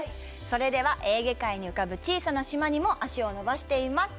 それではエーゲ海に浮かぶ小さな島にも足を伸ばしています。